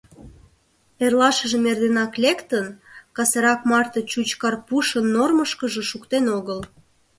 Эрлашыжым эрденак лектын, касырак марте чуч Карпушын нормышкыжо шуктен огыл.